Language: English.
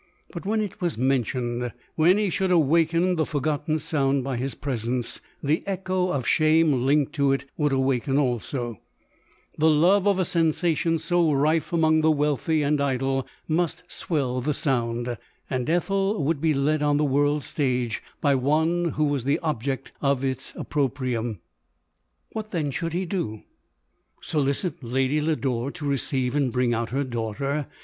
But when it was mentioned, when he should awaken the forgotten sound by his presence, the echo of shame linked to it would awaken also; the love of a sensation so rife among the wealthy and idle, must swell the sound, and Ethel would be led on the world's stage by one who was the object of its opprobrium. What then should he do ? Solicit Lady Lodore to receive and bring out her daughter